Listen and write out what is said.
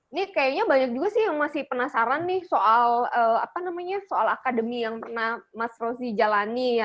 ini kayaknya banyak juga sih yang masih penasaran nih soal apa namanya soal akademi yang pernah mas rozi jalani ya